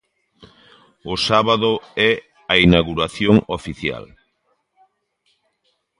O sábado é a inauguración oficial.